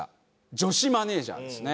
女子マネージャーですね。